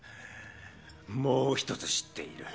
もう一つ知っている